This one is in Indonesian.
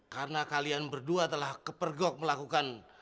karena kalian berdua telah kepergok melakukan